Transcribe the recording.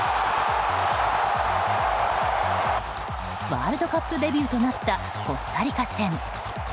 ワールドカップデビューとなったコスタリカ戦。